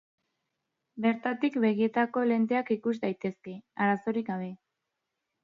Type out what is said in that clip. Bertatik begietako lenteak ikus daitezke, arazorik gabe.